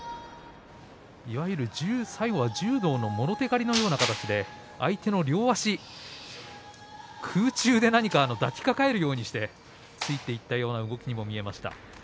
最後は柔道のもろ手刈りのような感じで相手の両足、空中で抱きかかえるようにしてついていった動きに見えました。